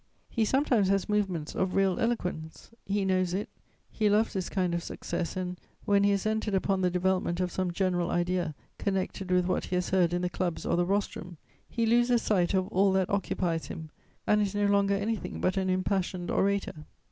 He sometimes has movements of real eloquence; he knows it, he loves this kind of success and, when he has entered upon the development of some general idea connected with what he has heard in the clubs or the rostrum, he loses sight of all that occupies him and is no longer anything but an impassioned orator.